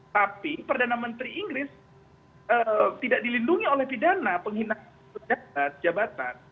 tapi perdana menteri inggris tidak dilindungi oleh pidana penghinaan pejabat